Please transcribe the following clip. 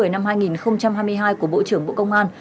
năm hai nghìn hai mươi hai của bộ trưởng bộ công an